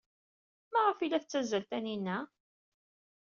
Maɣef ay la tettazzal Taninna?